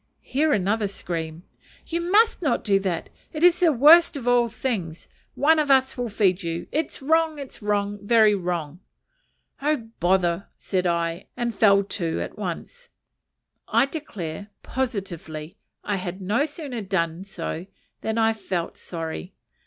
Here another scream "You must not do that: it's the worst of all things. One of us will feed you: it's wrong, wrong, very wrong!" "Oh, bother," said I, and fell too at once. I declare, positively, I had no sooner done so than I felt sorry.